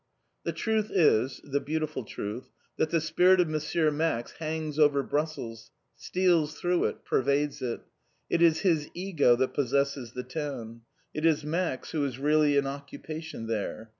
_" The truth is the beautiful truth that the spirit of M. Max hangs over Brussels, steals through it, pervades it. It is his ego that possesses the town. It is Max who is really in occupation there.